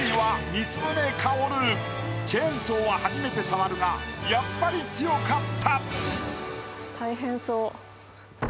チェーンソーは初めて触るがやっぱり強かった。